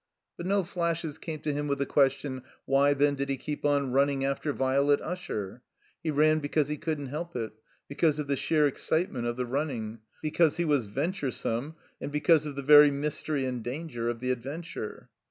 But no flashes came to him with the question, Why, then, did he keep on running after Violet Usher ? He ran because he couldn't help it ; because of the sheer excitement of the running ; because he was venture some, and because of the very mystery and danger of the adventtire.